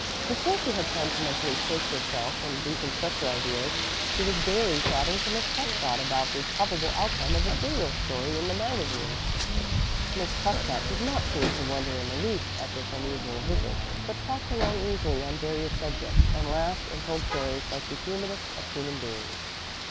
Before she had time to mentally shake herself and reconstruct her ideas she was gaily chatting to Miss Prescott about the probable outcome of a serial story in the magazine. Miss Prescott did not seem to wonder in the least at this unusual visit, but talked along easily on various subjects, and laughed and told stories like the humanest of human beings.